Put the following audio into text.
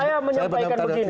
saya menyampaikan begini